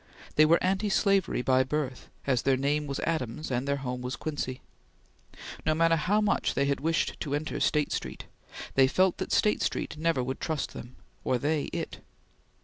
They were anti slavery by birth, as their name was Adams and their home was Quincy. No matter how much they had wished to enter State Street, they felt that State Street never would trust them, or they it.